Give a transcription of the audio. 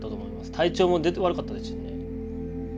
体調も悪かったですしね。